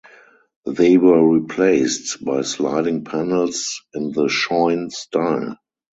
They were replaced by sliding panels in the Shoin style.